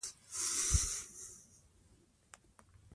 بیرغچی زخمي نه و.